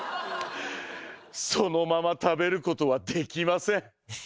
そのまま食べることはできません。